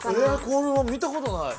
これは見たことない。